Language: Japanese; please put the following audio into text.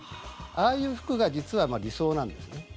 ああいう服が実は理想なんですよね。